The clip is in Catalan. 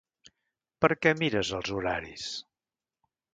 Per què mires els horaris?